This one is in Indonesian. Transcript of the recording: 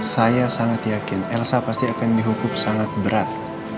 saya sangat yakin elsa pasti akan dihukum sangat berat